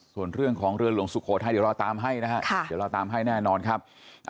ส่วนเรื่องของเรือหลวงสุโขทัยเดี๋ยวเราตามให้แน่นอนครับ